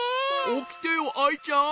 おきてよアイちゃん。